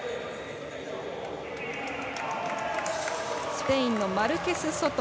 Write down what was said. スペインのマルケスソト。